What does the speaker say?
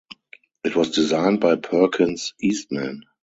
It was designed by Perkins Eastman.